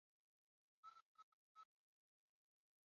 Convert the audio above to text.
蓬莱长脚萤金花虫为金花虫科长脚萤金花虫属下的一个种。